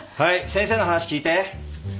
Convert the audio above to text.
先生の話聞いて。